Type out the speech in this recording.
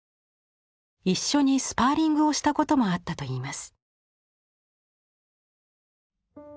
一緒にスパーリングをしたこともあったといいます。